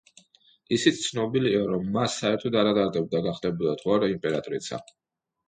ისიც ცნობილია, რომ მას საერთოდ არ ადარდებდა გახდებოდა თუ არა იმპერატრიცა.